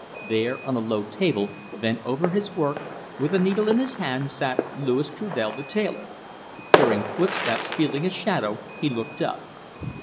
There, on a low table, bent over his work, with a needle in his hand, sat Louis Trudel the tailor. Hearing footsteps, feeling a shadow, he looked up.